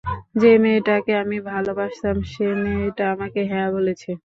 যে মেয়েটাকে আমি ভালোবাসতাম সে আমাকে হ্যাঁ বলেছে।